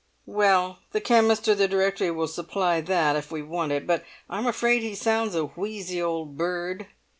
"Well, the chemist or the directory will supply that if we want it, but I'm afraid he sounds a wheezy old bird.